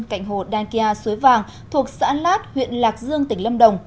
cạnh hồ đan kia suối vàng thuộc xã lát huyện lạc dương tỉnh lâm đồng